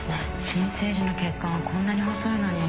新生児の血管はこんなに細いのに。